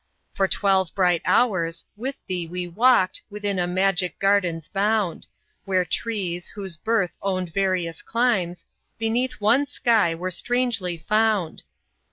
For twelve bright hours, with thee we walked Within a magic garden's bound, Where trees, whose birth owned various climes, Beneath one sky were strangely found.